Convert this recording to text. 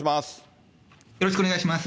よろしくお願いします。